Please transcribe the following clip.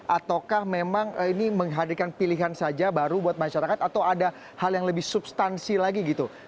ataukah memang ini menghadirkan pilihan saja baru buat masyarakat atau ada hal yang lebih substansi lagi gitu